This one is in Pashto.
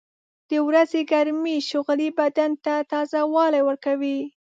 • د ورځې ګرمې شغلې بدن ته تازهوالی ورکوي.